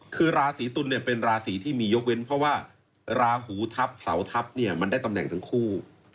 คือราศีตุลเนี่ยเป็นราศีที่มียกเว้นเพราะว่าราหูทัพเสาทัพเนี่ยมันได้ตำแหน่งทั้งคู่